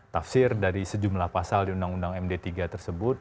tafsir dari sejumlah pasal di undang undang md tiga tersebut